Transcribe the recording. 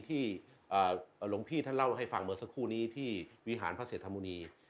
หลวงพี่ท่านเล่าให้ฟังเมื่อสักครู่นี้ที่วิหารพระเศรษฐมุณี